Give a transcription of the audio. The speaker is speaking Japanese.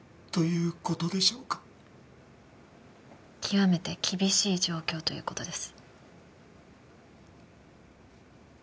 極めて厳しい状況という事です。